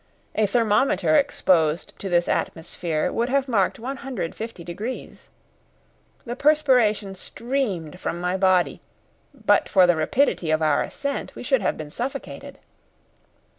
A thermometer exposed to this atmosphere would have marked 150°. The perspiration streamed from my body. But for the rapidity of our ascent we should have been suffocated.